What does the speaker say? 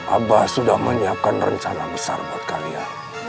abah sudah menyiapkan rencana besar buat kalian